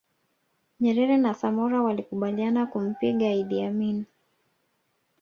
Nyerere na Samora walikubaliana kumpiga Idi Amin